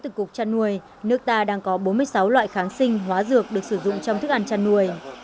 trong thức ăn chăn nuôi nước ta đang có bốn mươi sáu loại kháng sinh hóa dược được sử dụng trong thức ăn chăn nuôi